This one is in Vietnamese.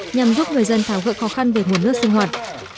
nhằm giúp người dân thảo gợi khó khăn về nguồn nước sinh hoạt